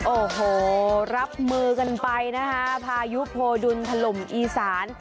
โอ้โหรับมือกันไปนะคะพายุโพดุลถล่มอีสาน